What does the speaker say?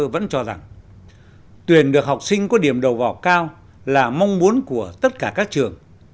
vẫn cho rằng tuyển được học sinh có điểm đầu vào cao là mong muốn của tất cả các trường